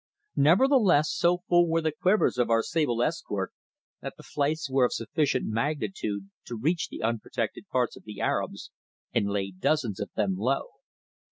Nevertheless so full were the quivers of our sable escort, that the flights were of sufficient magnitude to reach the unprotected parts of the Arabs and lay dozens of them low.